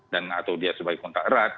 dan atau dia sebagai kontak erat